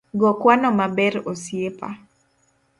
Go kwano maber osiepa